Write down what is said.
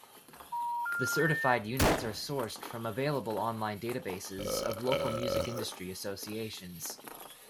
The certified units are sourced from available online databases of local music industry associations.